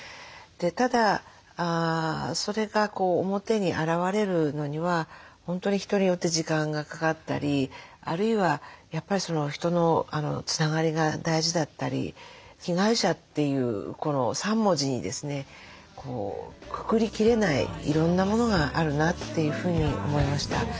ただそれが表に表れるのには本当に人によって時間がかかったりあるいはやっぱり人のつながりが大事だったり「被害者」というこの３文字にですねくくりきれないいろんなものがあるなというふうに思いました。